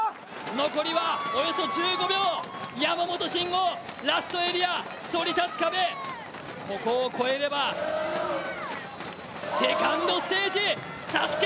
残りはおよそ１５秒、山本進悟、ラストエリアそり立つ壁、ここを越えればセカンドステージ、ＳＡＳＵＫＥ